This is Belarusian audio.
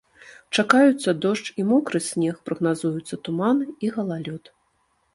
Чакаюцца дождж і мокры снег, прагназуюцца туманы і галалёд.